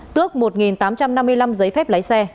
tước một tám trăm năm mươi năm giấy phép lái xe